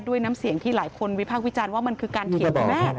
น้ำเสียงที่หลายคนวิพากษ์วิจารณ์ว่ามันคือการเขียนคุณแม่